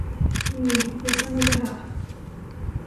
Ні, я сам не лягав.